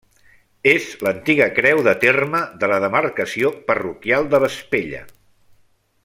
És l'antiga creu de terme de la demarcació parroquial de Vespella.